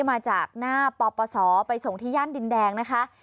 มาจากหน้าปปศไปส่งที่ย่านดินแดงนะคะ